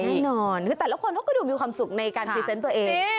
แน่นอนคือแต่ละคนเขาก็ดูมีความสุขในการพรีเซนต์ตัวเอง